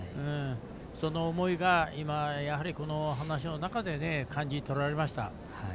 その思いが今、この話の中で感じ取られました。